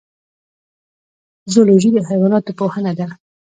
زولوژی د حیواناتو پوهنه ده